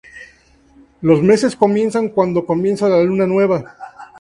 Los meses comienzan cuando comienza la luna nueva.